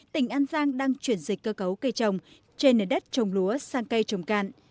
tỉnh an giang đang chuyển dịch cơ cấu cây trồng trên nền đất trồng lúa sang cây trồng cạn